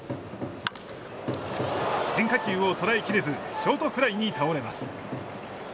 変化球を捉えきれずショートフライに倒れます。